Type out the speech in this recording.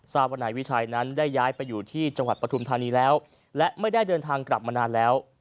ทราบว่านายวิชัยนั้นได้ย้ายไปอยู่ที่จังหวัดปฐุมธานีแล้วและไม่ได้เดินทางกลับมานานแล้ว